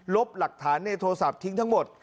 บหลักฐานในโทรศัพท์ทิ้งทั้งหมด